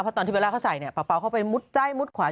เพราะตอนที่เบลล่าเขาใส่เนี่ยเป๋าเข้าไปมุดใจมุดขวา